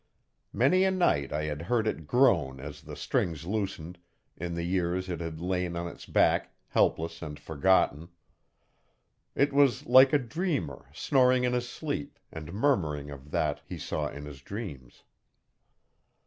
Many a night I had heard it groan as the strings loosened, in the years it had lain on its back, helpless and forgotten. It was like a dreamer, snoring in his sleep, and murmuring of that he saw in his dreams.